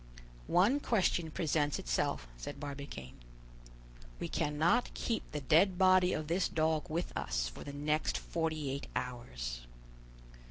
"One question presents itself," said Barbicane. "We cannot keep the dead body of this dog with us for the next forty eight hours."